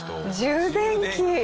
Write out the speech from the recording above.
充電器。